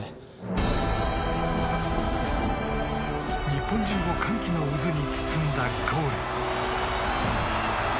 日本中を歓喜の渦に包んだゴール。